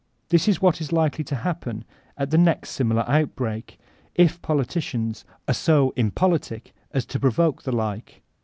This is what is likely to hMf^en at the next similar outbreak, if politicians are so impolitic as to provoke the Uke.